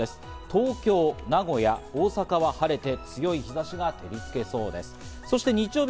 東京、名古屋、大阪は晴れて、強い日差しが照りつけるでしょう。